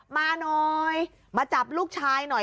มาหน่อยมาจับลูกชายหน่อย